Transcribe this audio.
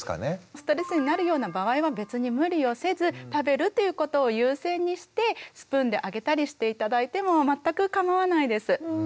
ストレスになるような場合は別に無理をせず食べるということを優先にしてスプーンであげたりして頂いても全く構わないです。